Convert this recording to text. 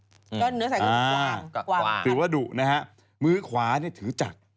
ก็เนื้อทรายก็ความความคือว่าดูกนะฮะมือขวาเนี่ยถือจักร